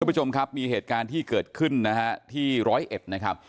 ผู้ชมครับมีเหตุการณ์ที่เกิดขึ้นนะฮะที่ร้อยเอ็ดนะครับ